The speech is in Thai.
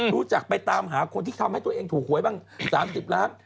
รู้จักไปตามหาคนที่ทำให้ตัวเองถูกหวยบ้าง๓๐ล้าน